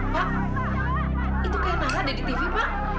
pak itu seperti nara di tv pak